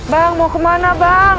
bang mau kemana bang